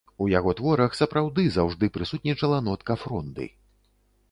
У яго творах сапраўды заўжды прысутнічала нотка фронды.